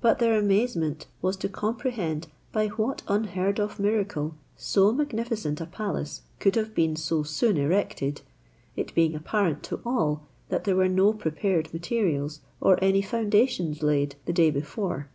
But their amazement was to comprehend by what unheard of miracle so magnificent a palace could have been so soon erected, it being apparent to all that there were no prepared materials, or any foundations laid the day before.